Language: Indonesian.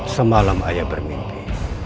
semalam ayah bermimpi